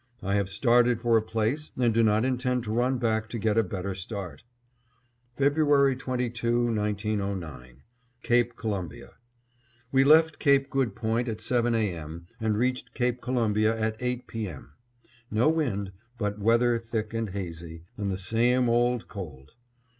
I have started for a place, and do not intend to run back to get a better start. February 22, 1909: Cape Columbia. We left Cape Good Point at seven A. M. and reached Cape Columbia at eight P. M. No wind, but weather thick and hazy, and the same old cold.